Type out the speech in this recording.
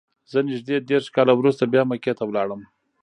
زه نږدې دېرش کاله وروسته بیا مکې ته لاړم.